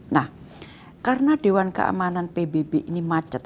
nah karena dewan keamanan pbb ini macet